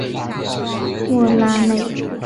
莫拉内。